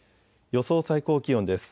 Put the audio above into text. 予想最高気温です。